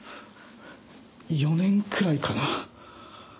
４年くらいかな？